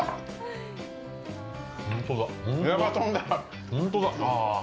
本当だ。